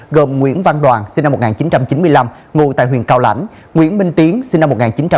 gồm nguyễn văn đoàn sinh năm một nghìn chín trăm chín mươi năm ngụ tại huyện cao lãnh nguyễn minh tiến sinh năm một nghìn chín trăm chín mươi